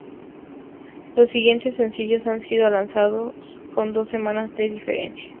Los siguientes sencillos han sido lanzados con dos semanas de diferencia.